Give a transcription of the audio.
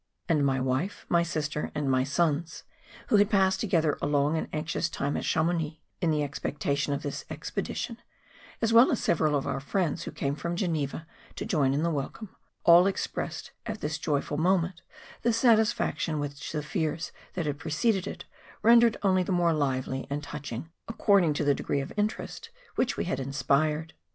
And my wife, my sister, and my sons, who had passed together a long and anxious time at Chamounix in the expectation of this expedition, as well as several of our friends who came from Geneva to join in the welcome,—all expressed at this joyful moment the satisfaction which the fears that had preceded it, rendered only the more lively and touch¬ ing according to the degree of interest which we had inspired.